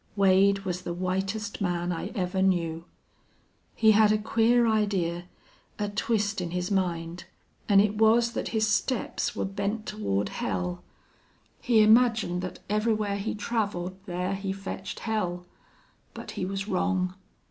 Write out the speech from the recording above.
Wade was the whitest man I ever knew. He had a queer idee a twist in his mind an' it was thet his steps were bent toward hell. He imagined thet everywhere he traveled there he fetched hell. But he was wrong.